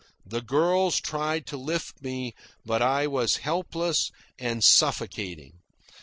The girls tried to lift me, but I was helpless and suffocating.